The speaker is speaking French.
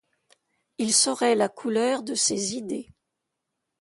Il saurait la couleur de ses idées.